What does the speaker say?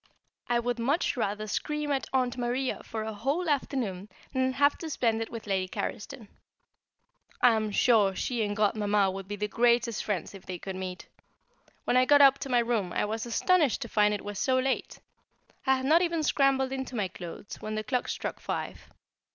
I would much rather scream at Aunt Maria for a whole afternoon than have to spend it with Lady Carriston. I am sure she and Godmamma would be the greatest friends if they could meet. When I got up to my room I was astonished to find it was so late. I had not even scrambled into my clothes when the clock struck five.